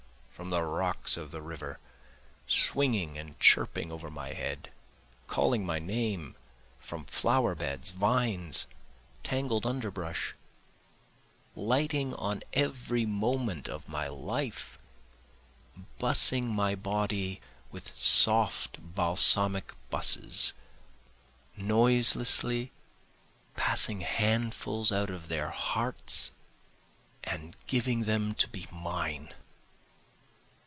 from the rocks of the river, swinging and chirping over my head, Calling my name from flower beds, vines, tangled underbrush, Lighting on every moment of my life, Bussing my body with soft balsamic busses, Noiselessly passing handfuls out of their hearts and giving them to be mine.